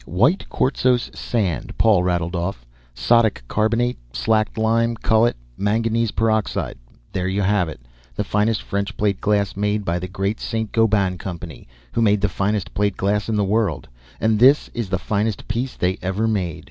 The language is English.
"White quartzose sand," Paul rattled off, "sodic carbonate, slaked lime, cutlet, manganese peroxide—there you have it, the finest French plate glass, made by the great St. Gobain Company, who made the finest plate glass in the world, and this is the finest piece they ever made.